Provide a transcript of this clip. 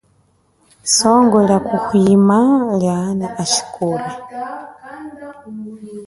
Songo lia kuhwima lia ana ashikola.